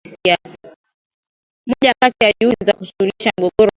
moja kati ya juhudi za kusuluhisha mgogoro wa kisiasa